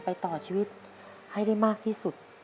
แต่ที่แม่ก็รักลูกมากทั้งสองคน